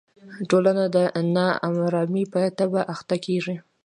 ټولنه د نا ارامۍ په تبه اخته کېږي.